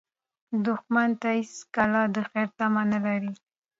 دښمن ته هېڅوک د خیر تمه نه لري